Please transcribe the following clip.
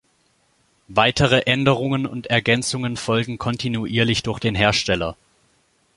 Weitere Änderungen und Ergänzungen folgen kontinuierlich durch den Hersteller.